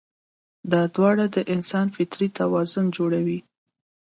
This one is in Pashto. دا دواړه د انسان فطري توازن جوړوي.